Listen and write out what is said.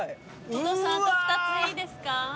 お父さんあと２ついいですか？